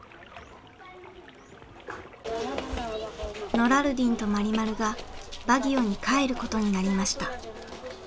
ノラルディンとマリマルがバギオに帰ることになりました。